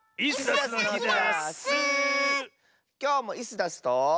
きょうもイスダスと。